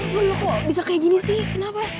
bisa kayak gini sih kenapa